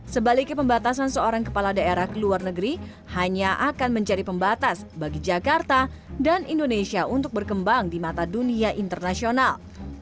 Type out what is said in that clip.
sebaliknya pembatasan seorang kepala daerah ke luar negeri hanya akan menjadi pembatas bagi jakarta dan indonesia untuk berkembang di mata dunia internasional